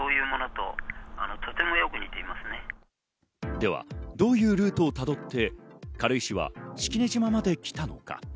では、どういうルートをたどって軽石は式根島まで来たのか。